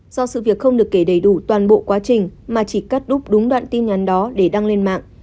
do sự việc không được kể đầy đủ toàn bộ quá trình mà chỉ cắt đúc đúng đoạn tin nhắn đó để đăng lên mạng